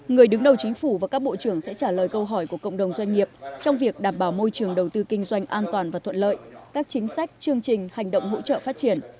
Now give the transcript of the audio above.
người đứng đầu chính phủ và các bộ trưởng sẽ trả lời câu hỏi của cộng đồng doanh nghiệp trong việc đảm bảo môi trường đầu tư kinh doanh an toàn và thuận lợi các chính sách chương trình hành động hỗ trợ phát triển